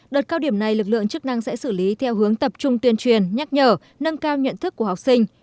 đợt cao điểm này lực lượng chức năng sẽ xử lý theo hướng tập trung tuyên truyền nhắc nhở nâng cao nhận thức của học sinh